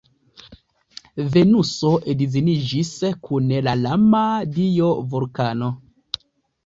Venuso edziniĝis kun la lama dio Vulkano.